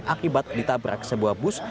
akibat ditabrak sebuah bus